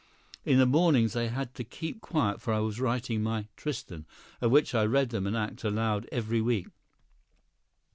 In the mornings they had to keep quiet, for I was writing my 'Tristan,' of which I read them an act aloud every week.